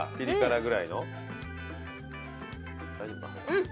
うん！